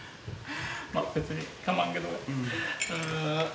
別に構わんけど。